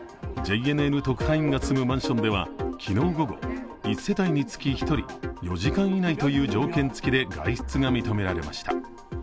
ＪＮＮ特派員が住むマンションでは昨日午後、１世帯につき１人、４時間以内という条件つきで外出が認められました。